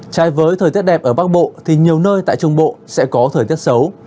trai với thời tiết đẹp ở bắc bộ thì nhiều nơi tại trung bộ sẽ có thời tiết xấu